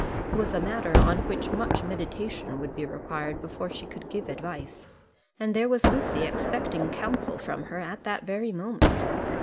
It was a matter on which much meditation would be required before she could give advice, and there was Lucy expecting counsel from her at that very moment.